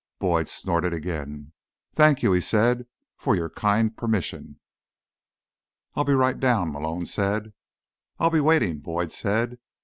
Boyd snorted again. "Thank you," he said, "for your kind permission." "I'll be right down," Malone said. "I'll be waiting," Boyd said.